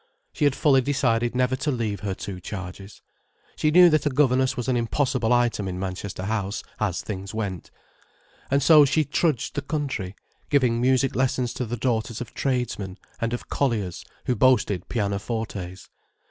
She had fully decided never to leave her two charges. She knew that a governess was an impossible item in Manchester House, as things went. And so she trudged the country, giving music lessons to the daughters of tradesmen and of colliers who boasted pianofortes.